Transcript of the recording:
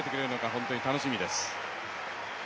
本当に楽しみです。